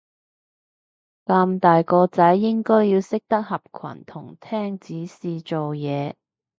咁大個仔應該要識得合群同聽指示做嘢